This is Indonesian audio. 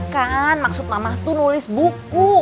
kan maksud mamah tuh nulis buku